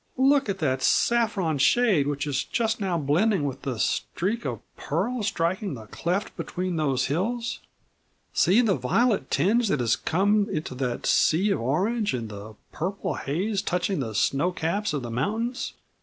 "Look at that saffron shade which is just now blending with the streak of pearl striking the cleft between those hills! See the violet tinge that has come into that sea of orange, and the purple haze touching the snow caps of the mountains.